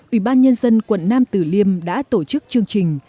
ủy ban nhân dân quận nam tử liêm đã tổ chức chương trình